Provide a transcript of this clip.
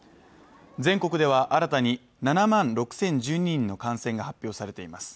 全国では新たに７万６０１２人の感染が発表されています